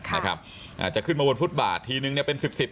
นะครับอ่าจะขึ้นมาบนฟุตบาททีนึงเนี่ยเป็นสิบสิบ